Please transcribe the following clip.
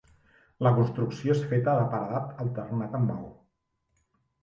La construcció és feta de paredat alternat amb maó.